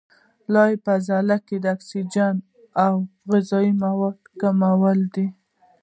لامل یې په عضله کې د اکسیجن او غذایي موادو کموالی دی.